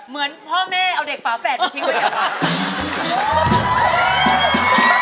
เหมือนพ่อแม่เอาเด็กฝาแฝดไปทิ้งไว้เดี๋ยว